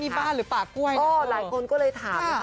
นี่บ้าหรือปากกล้วยอ๋อหลายคนก็เลยถามค่ะ